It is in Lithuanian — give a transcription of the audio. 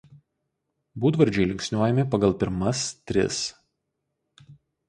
Būdvardžiai linksniuojami pagal pirmas tris.